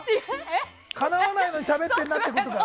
かなわないのにしゃべってるなってことか。